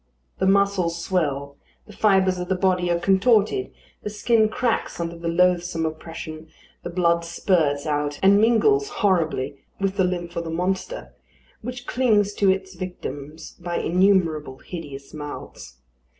The muscles swell, the fibres of the body are contorted, the skin cracks under the loathsome oppression, the blood spurts out and mingles horribly with the lymph of the monster, which clings to its victim by innumerable hideous mouths.